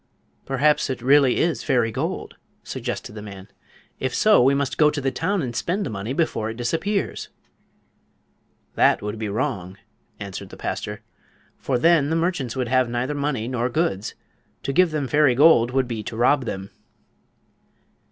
"Perhaps it really is fairy gold," suggested the man. "If so, we must go to the town and spend the money before it disappears." "That would be wrong," answered the pastor; "for then the merchants would have neither money nor goods. To give them fairy gold would be to rob them."